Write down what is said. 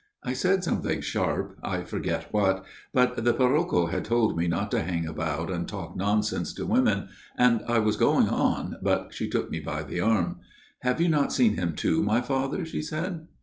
" I said something sharp, I forget what, but the parrocho had told me not to hang about and talk nonsense to women, and I was going on, but she took me by the arm. "' Have you not seen him too, my Father ?' she said.